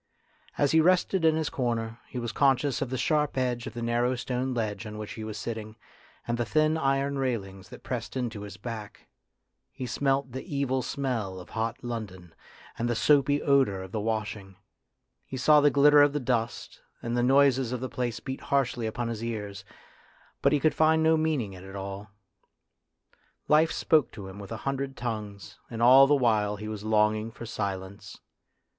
As he rested in his corner, he was conscious of the sharp edge of the narrow stone ledge on which he was sitting and the thin iron railings that pressed into his back ; he smelt the evil smell of hot London, and the soapy odour of the washing ; he saw the glitter of the dust, and the noises of the place beat harshly upon his ears, but he could find no meaning in it all. Life spoke to him with a hundred tongues, and all the while he was longing for silence.